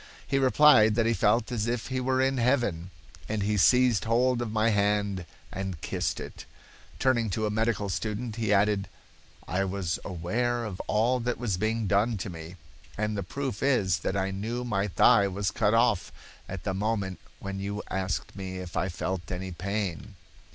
He replied that he felt as if he were in heaven, and he seized hold of my hand and kissed it. Turning to a medical student, he added: 'I was aware of all that was being done to me, and the proof is that I knew my thigh was cut off at the moment when you asked me if I felt any pain.